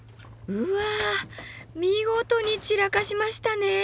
うわ見事に散らかしましたね。